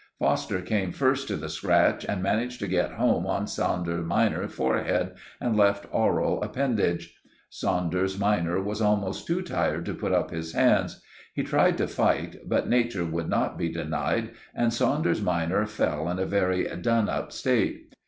—Foster came first to the scratch, and managed to get home on Saunders minor's forehead and left aural appendage. Saunders minor was almost too tired to put up his hands. He tried to fight, but nature would not be denied, and Saunders minor fell in a very done up state.